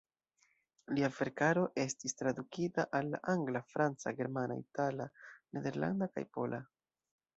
Lia verkaro estis tradukita al la angla, franca, germana, itala, nederlanda kaj pola.